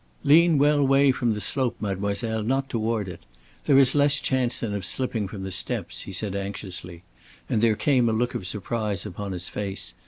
"Lean well way from the slope, mademoiselle, not toward it. There is less chance then of slipping from the steps," he said anxiously, and there came a look of surprise upon his face.